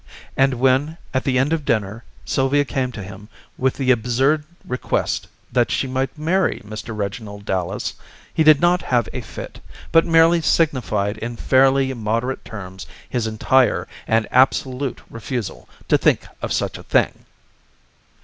And when, at the end of dinner, Sylvia came to him with the absurd request that she might marry Mr. Reginald Dallas he did not have a fit, but merely signified in fairly moderate terms his entire and absolute refusal to think of such a thing.